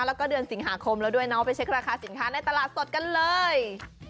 แล้วก็เดือนสิงหาคมแล้วด้วยเนาะไปเช็คราคาสินค้าในตลาดสดกันเลย